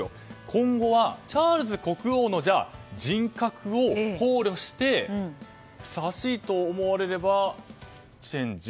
今後はチャールズ国王の人格を考慮してふさわしいと思われればチェンジ。